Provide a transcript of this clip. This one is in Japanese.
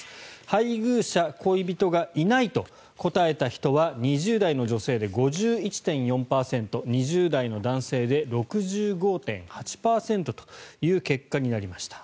配偶者・恋人がいないと答えた人は２０代の女性で５１．４％２０代の男性で６５．８％という結果になりました。